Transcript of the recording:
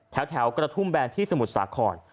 แถวกระทุ่มแบนที่สมุทรสาคร